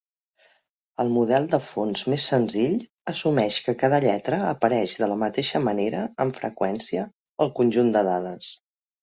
El model de fons més senzill assumeix que cada lletra apareix de la mateixa manera amb freqüència al conjunt de dades.